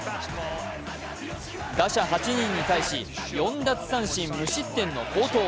打者８人に対し、４奪三振無失点の好投。